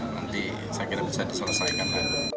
nanti saya kira bisa diselesaikan